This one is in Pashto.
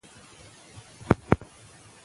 پوهه لرونکې مور د مالګې اندازه کنټرولوي.